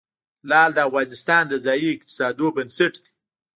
لعل د افغانستان د ځایي اقتصادونو بنسټ دی.